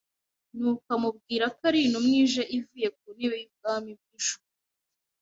Nuko amubwira ko ari intumwa ije ivuye ku ntebe y’ubwami bw’ijuru,